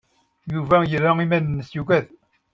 Yuba yerra iman-nnes yugad.